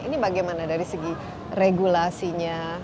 ini bagaimana dari segi regulasinya